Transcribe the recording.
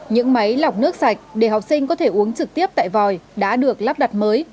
những máy lọc nước sạch để học sinh có thể uống trực tiếp tại vòi đã được lắp đặt mới